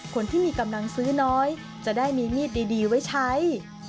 คนที่มีกำลังซื้อน้อยจะได้มีมีดดีไว้ใช้